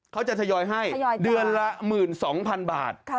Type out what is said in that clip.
เขาจะทยอยให้เดือนละ๑๒๐๐๐บาท